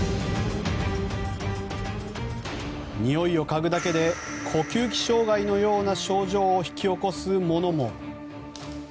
においをかぐだけで呼吸器障害のような症状を引き起こすものも。